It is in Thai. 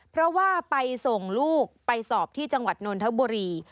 เพราะว่าไปส่งลูกไปสอบที่จังหวัดนนทบุรี